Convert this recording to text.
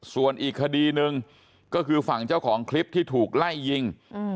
ส่วนอีกคดีหนึ่งก็คือฝั่งเจ้าของคลิปที่ถูกไล่ยิง